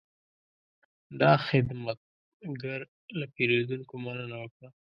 دا خدمتګر له پیرودونکو مننه وکړه.